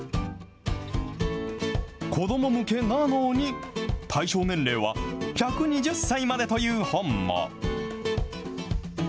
子ども向けなのに、対象年齢は１２０歳までという本も。